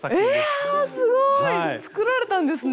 ええああすごい！作られたんですね！